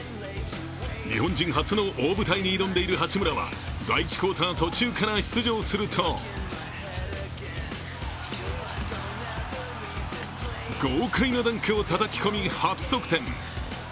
日本人初の大舞台に挑んでいる八村は第１クオーター途中から出場すると豪快なダンクをたたき込み初得点。